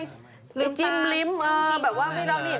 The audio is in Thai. ลืมตาจิ้มลิ้มแบบว่าไม่ได้แล้ว